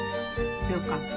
よかった。